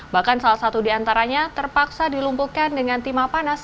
bahkan salah satu diantaranya terpaksa dilumpuhkan dengan timah panas